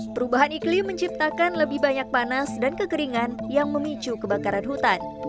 perubahan iklim menciptakan lebih banyak panas dan kekeringan yang memicu kebakaran hutan